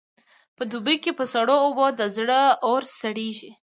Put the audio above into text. په دوبې کې په سړو اوبو د زړه اور سړېږي.